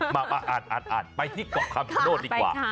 มาอ่านไปที่เกาะคำชโนธดีกว่า